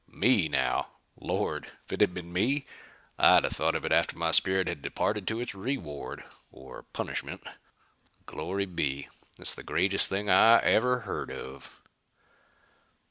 Me, now Lord, if it had been me, I'd have thought of it after my spirit had departed to its reward or punishment. Glory be! It's the greatest thing I ever heard of."